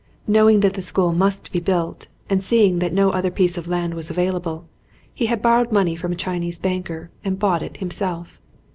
Knowing that the school must be built and seeing 80 BE. MACAIISTEE that no other piece of land was available he had borrowed money from a Chinese banker and bought it himself.